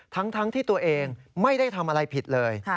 ทั้งที่ตัวเองไม่ได้ทำอะไรผิดเลย